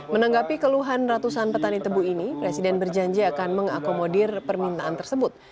menanggapi keluhan ratusan petani tebu ini presiden berjanji akan mengakomodir permintaan tersebut